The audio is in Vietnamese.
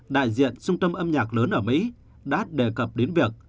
đại diện trung tâm âm nhạc lớn ở mỹ đã đề cập đến việc